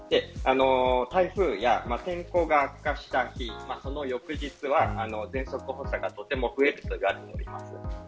台風や天候が悪化した日その翌日はぜんそく発作がとても増える日となってい